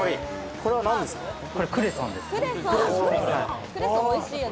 これは何ですか？